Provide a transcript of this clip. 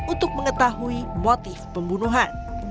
untuk mengetahui motif pembunuhan